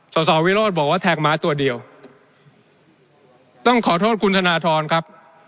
สอสอวิโรธบอกว่าแทงม้าตัวเดียวต้องขอโทษคุณธนทรครับ